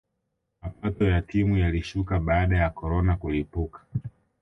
mapato ya timu yalishuka baada ya corona kulipuka